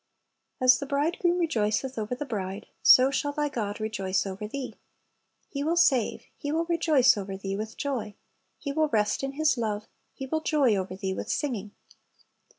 "As the bridegroom rejoiceth over the bride, so shall thy God rejoice over thee." "He will save. He will rejoice over thee with joy; He will rest in His love; He will joy over thee with singing."